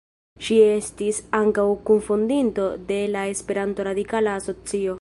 Ŝi estis ankaŭ kunfondinto de la Esperanto Radikala Asocio.